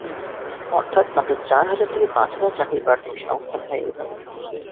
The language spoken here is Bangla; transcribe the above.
অর্থাৎ মাত্র চার হাজার থেকে পাঁচ হাজার চাকরিপ্রার্থীর সংস্থান হয় এভাবে।